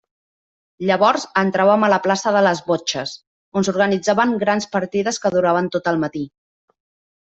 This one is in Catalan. Llavors entràvem a la plaça de les botxes, on s'organitzaven grans partides que duraven tot el matí.